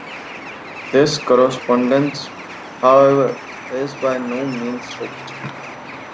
This correspondence, however, is by no means strict.